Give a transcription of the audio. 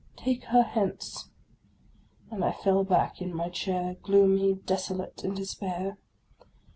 " Take her hence !" and I fell back in my chair, gloomy, desolate, in despair